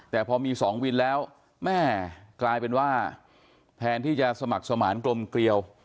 แต่พอมี๒วินแล้วแม่กลายเป็นว่าแทนที่จะสมัครสมานกลมเกลียว